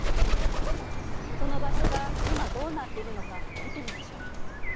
その場所が今どうなっているのか見てみましょう。